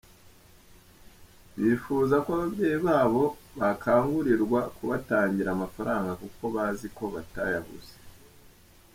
Bifuza ko ababyeyi babo bakangurirwa kubatangira amafaranga kuko bazi ko batayabuze.